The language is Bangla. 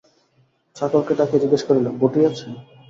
চাকরকে ডাকিয়া জিজ্ঞাসা করিল, বঁটি আছে?